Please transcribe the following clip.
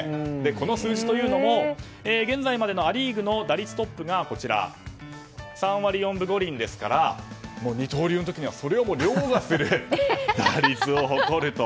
この数字というのも、現在までのア・リーグの打率トップがこちら３割４分５厘ですから二刀流の時にはそれを凌駕する打率を誇ると。